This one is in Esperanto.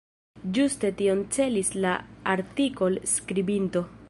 Ĝuste tion celis la artikol-skribinto.